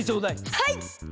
はい！